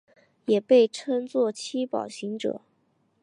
也被称作七宝行者。